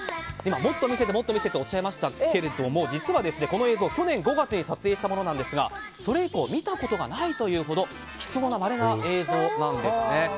もっと見せてとおっしゃいましたが実はこの映像、去年５月に撮影したものなんですがそれ以降見たことがないというほどまれな映像なんですね。